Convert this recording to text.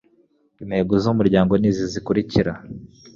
Intego z umuryango ni izi zikurikira